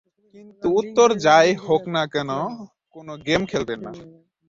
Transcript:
কিন্তু উত্তর যাই হোক না কেন, কোনো গেম খেলবে না!